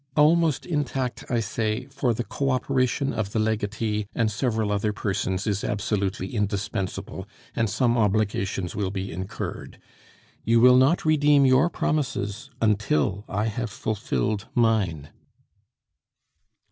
Almost intact, I say, for the co operation of the legatee and several other persons is absolutely indispensable, and some obligations will be incurred. You will not redeem your promises until I have fulfilled mine."